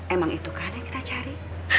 emang itu kan yang kita cari